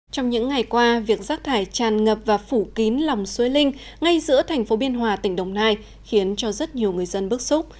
trong những ngày qua việc rác thải tràn ngập và phủ kín lòng suối linh ngay giữa thành phố biên hòa tỉnh đồng nai khiến cho rất nhiều người dân bức xúc